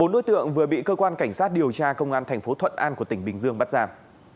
bốn đối tượng vừa bị cơ quan cảnh sát điều tra công an thành phố thuận an của tỉnh bình dương bắt giả